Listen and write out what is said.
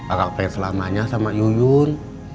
akang pengen selamanya sama yuyun